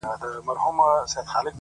په شاعرۍ کي رياضت غواړمه،